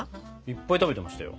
いっぱい食べてましたよ。